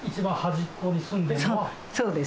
そうです。